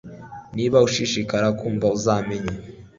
niba ushishikarira kumva, uzamenya